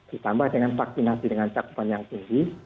ditambah dengan vaksinasi dengan cakupan yang tinggi